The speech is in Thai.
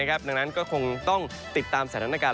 ดังนั้นก็คงต้องติดตามสถานการณ์